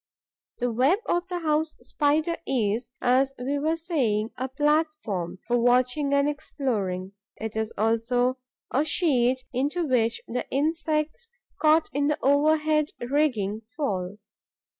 The web of the House Spider is, as we were saying, a platform for watching and exploring; it is also a sheet into which the insects caught in the overhead rigging fall.